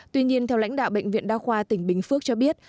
tuy nhiên theo lãnh đạo bệnh viện đa khoa tỉnh bình phước cho biết